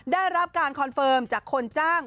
ได้รับการคอนเฟิร์มจากคนจ้าง